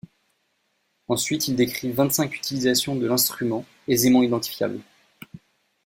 Ensuite il décrit vingt-cinq utilisations de l'instrument, aisément identifiables.